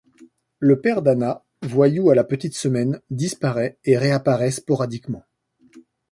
Le père d’Anna, voyou à la petite semaine, disparaît et réapparaît sporadiquement.